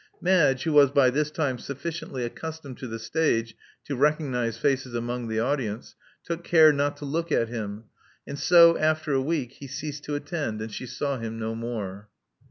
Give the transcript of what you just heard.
Madge, who was by this time sufficiently accustomed to the stage to recognize faces among the audience, took care not to look at him ; and so, after a week, he ceased to attend and she saw him no more.